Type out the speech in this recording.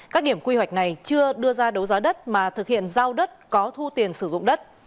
các điểm quy hoạch này chưa đưa ra đấu giá đất mà thực hiện giao đất có thu tiền sử dụng đất